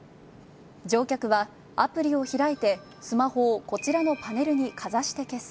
乗客はアプリを開いてスマホを、こちらのパネルにかざして決済。